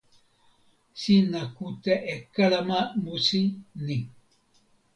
sina kute e kalama musi ni.